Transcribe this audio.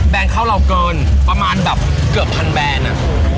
แบรนด์เข้าเราเกินประมาณแบบเกือบพันแบรนด์อ่ะ